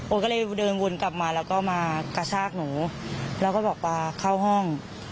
ก็เลยเดินวนกลับมาแล้วก็มากระชากหนูแล้วก็บอกปลาเข้าห้อง